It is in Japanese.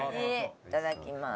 いただきます。